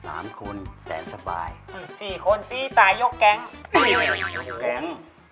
สามคนแสนสบายสี่คนสี่ตายยกแก๊งยกแก๊ง